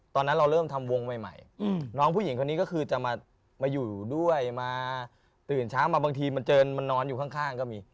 ตอนนั้นเราเริ่มทำวงใหม่น้องผู้หญิงคนนี้ก็คือจะมาอยู่ด้วยมาตื่นเช้ามาบางทีมันเจอมันนอนอยู่ข้างก็มี